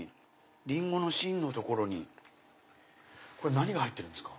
リンゴの芯の所に何が入ってるんですか？